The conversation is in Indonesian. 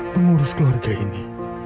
pengurus keluarga ini